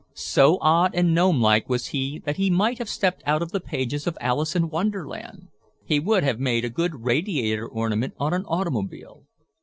So odd and gnomelike was he that he might have stepped out of the pages of "Alice in Wonderland." He would have made a good radiator ornament on an automobile.